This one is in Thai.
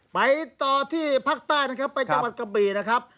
ไปต่อที่ภาคใต้นะครับไปจังหวัดกะบี่นะครับ